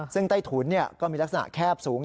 ซึ่งใต้ถุนก็มีลักษณะแคบสูง